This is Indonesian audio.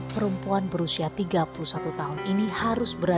perempuan berusia tiga puluh satu tahun ini harus berada